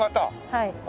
はい。